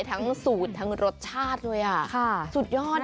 ทั้งสูตรทั้งรสชาติเลยสุดยอด